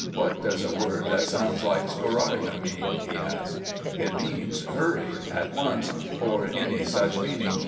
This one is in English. "What does a word that sounds like 'scoraya' mean?" he asked. "It means 'hurry,' 'at once,' or any such meaning.